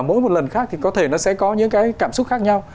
nếu mà nó nói một lần thứ hai thì có thể nó sẽ có những cái cảm xúc khác nhau